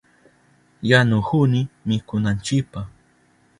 Yanuhuni mikunanchipa.